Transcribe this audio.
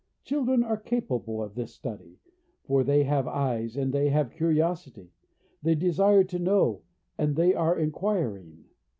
Children are capable of this study, for they have eyes, and they have curiosity; they desire to know, and they are inquiring.